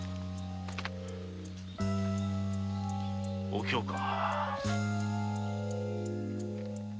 お京か。